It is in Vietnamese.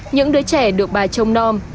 những đứa trẻ được bà trông non